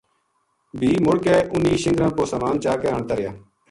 بھی مُڑ کے اُن ہی شِنگراں پو سامان چا کے آنتا رہیا